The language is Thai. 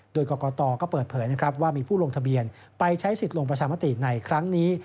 โดยกรกตก็เปิดเผยนะครับว่ามีผู้ลงทะเบียนไปใช้สิทธิ์ลงประชามติในครั้งนี้